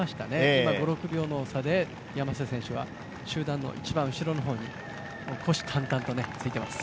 今、５６秒の差で山下選手は今、集団の一番後ろの方に虎視眈々とついています。